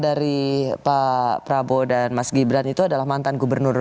dari pak prabowo dan mas gibran itu adalah mantan gubernur